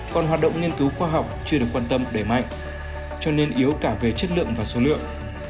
còn hoạt động nghiên cứu khoa học chưa được quan tâm đẩy mạnh cho nên yếu cả về chất lượng và số lượng